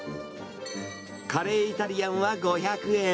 カレーイタリアンは５００円。